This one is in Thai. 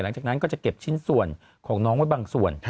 หลังจากนั้นก็จะเก็บชิ้นส่วนของน้องไว้บางส่วน